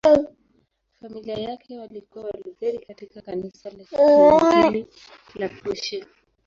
Familia yake walikuwa Walutheri katika Kanisa la Kiinjili la Prussia.